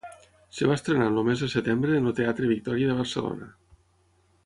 Es va estrenar en el mes de setembre en el Teatre Victòria de Barcelona.